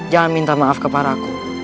jangan minta maaf kepada aku